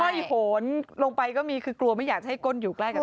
ยโหนลงไปก็มีคือกลัวไม่อยากจะให้ก้นอยู่ใกล้กัน